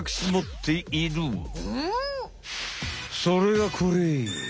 それがこれ。